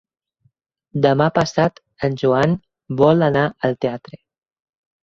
Demà passat en Joan vol anar al teatre.